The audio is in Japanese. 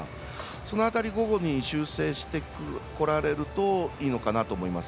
その辺り、午後に修正してこられるといいのかなと思います。